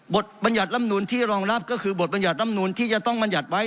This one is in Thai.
บทบรรยัดรำนุนที่รองรับก็คือบทบรรยัดรำนุนที่จะต้องบรรยัดไว้